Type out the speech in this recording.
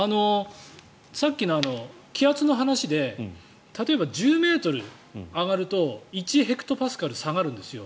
さっきの気圧の話で例えば１０ｍ上がると１ヘクトパスカル下がるんですよ。